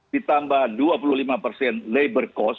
ditambah dua puluh lima persen labor cost